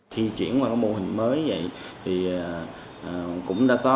khi chuyển qua mô hình mới vậy thì cũng đã có